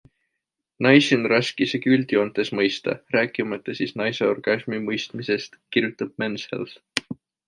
Naisi on raske isegi üldjoontes mõista - rääkimata siis naise orgasmi mõistmisest, kirjutab Men's Health.